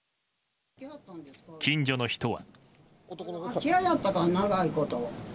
近所の人は。